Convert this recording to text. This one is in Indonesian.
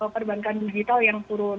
perbankan digital yang turun